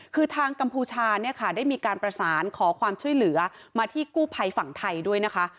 คือทางกัมพูชาเนี่ยค่ะได้มีการประสานขอความช่วยเหลือมาที่กู้ภัยฝั่งไทยด้วยนะคะ